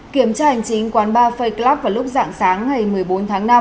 kiểm tra hành trí quán bar fake club vào lúc dạng sáng ngày một mươi bốn tháng năm